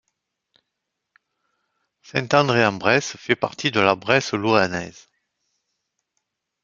Saint-André-en-Bresse fait partie de la Bresse louhannaise.